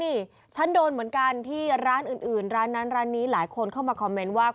นี่ฉันโดนเหมือนกันที่ร้านอื่นร้านนั้นร้านนี้หลายคนเข้ามาคอมเมนต์ว่า